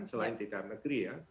selain di dalam negeri ya